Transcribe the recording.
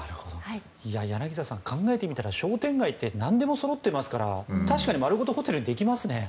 柳澤さん、考えてみたら商店街ってなんでもそろってますから確かに丸ごとホテルにできますね。